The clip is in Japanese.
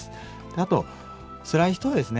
であとつらい人はですね